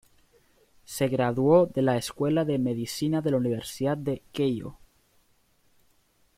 Se graduó de la Escuela de Medicina de la Universidad de Keio.